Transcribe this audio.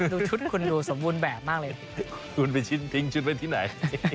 ดูชุดคุณดูสมบูรณ์แบบมากเลยคุณไปชิ้นทิ้งชุดไว้ที่ไหน